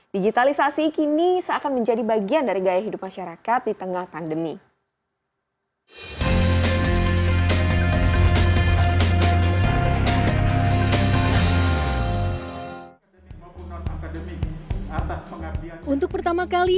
digitalisasi kini seakan menjadi bagian dari gaya hidup masyarakat di tengah pandemi